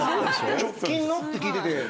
「直近の」って聞いてて。